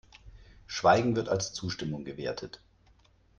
Schweigen wird als Zustimmung gewertet.